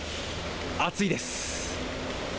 暑いです。